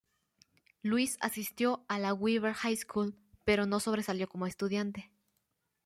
Louis asistió a la Weaver High School, pero no sobresalió como estudiante.